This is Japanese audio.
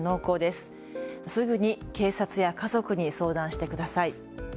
すぐに警察や家族に相談してください。